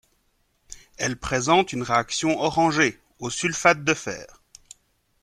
Elle présente une réaction orangée au sulfate de fer.